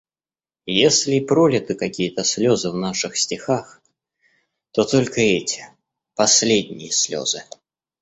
Если и пролиты какие-то слёзы в наших стихах, то только эти, последние слёзы.